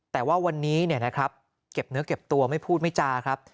แต่ว่าวันนี้นะครับเก็บเนื้อเก็บตัวไม่พูดไม่จาครับ